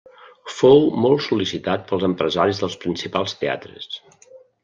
Fou molt sol·licitat pels empresaris dels principals teatres.